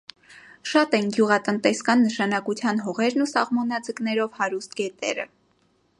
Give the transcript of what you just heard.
Շատ են գյուղատնտեսկան նշանակության հողերն ու սաղմոնաձկներով հարուստ գետերը։